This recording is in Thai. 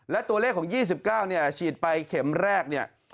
และตัวเลขของ๒๙ฉีดไปเข็มแรก